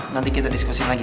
nanti kita diskusin lagi ya